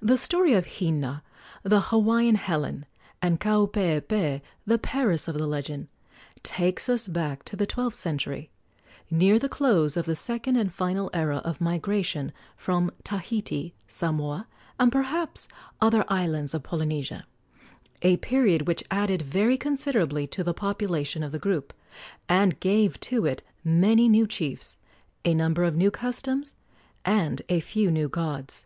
The story of Hina, the Hawaiian Helen, and Kaupeepee, the Paris of the legend, takes us back to the twelfth century, near the close of the second and final era of migration from Tahiti, Samoa, and perhaps other islands of Polynesia a period which added very considerably to the population of the group, and gave to it many new chiefs, a number of new customs, and a few new gods.